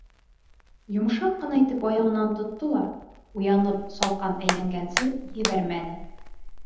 Йомшаҡ ҡына итеп аяғынан тотто ла уянып салҡан әйләнгәнсе ебәрмәне.